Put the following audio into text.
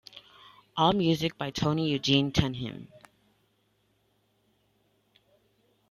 All music by Tony Eugene Tunheim.